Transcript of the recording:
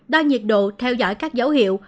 đo nhiệt độ theo dõi các dấu hiệu